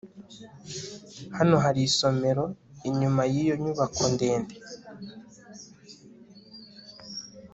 hano hari isomero inyuma yiyo nyubako ndende